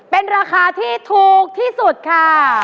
เป็นราคาที่ถูกที่สุดค่ะ